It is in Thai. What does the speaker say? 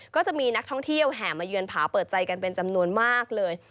ก็จะมีนักท่องเที่ยวแห่มาเยือนผาเปิดใจกันเป็นจำนวนมากเลย